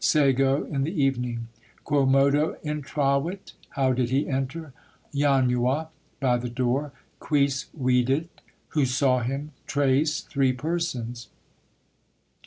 "Sego" (In the evening). "Quomodo intravit?" (How did he enter?) "Janua" (By the door). "Quis vidit?" (Who saw him?) "Tres" (Three persons).